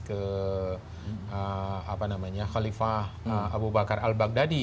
ke apa namanya khalifah abu bakar al baghdadi